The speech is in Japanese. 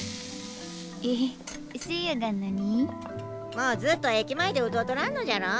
もうずっと駅前で歌うとらんのじゃろ？